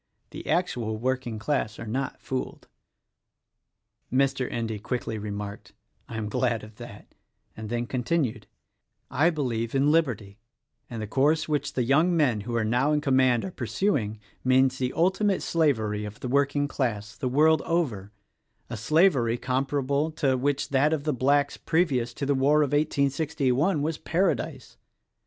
The actual working class are not fooled." Mr. Endy quickly remarked, "I am glad of that;" and then continued, "I believe in Liberty; and the course which the young men who are now in command are pur suing, means the ultimate slavery of the working class, the world over: a slavery compared to which that of the Blacks previous to the war of 1861 was paradise.